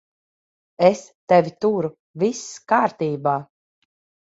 Es tevi turu. Viss kārtībā.